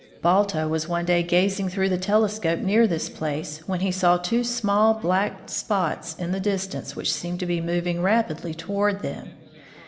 Balto was one day gazing through the telescope near this place, when he saw two small black spots in the dis tance which seemed to be moving rapidly toward him.